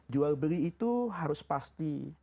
jual beli itu harus pasti